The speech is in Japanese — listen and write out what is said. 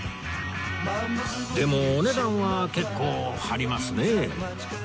でもお値段は結構張りますね